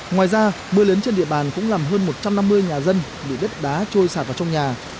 ngoài ra mưa lớn trên địa bàn cũng làm hơn một trăm năm mươi nhà dân bị đất đá trôi sạt vào trong nhà